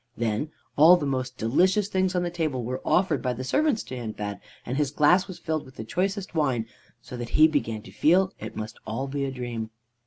Then all the most delicious things on the table were offered by the servants to Hindbad, and his glass was filled with the choicest wine, so that he began to feel it must all be a dream.